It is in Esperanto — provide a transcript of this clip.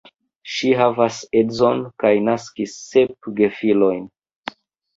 Ŝi havas edzon, kaj naskis sep gefilojn.